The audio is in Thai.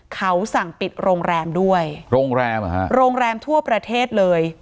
เขาสั่งปิดโรงแรมด้วยโรงแรมทั่วประเทศเลย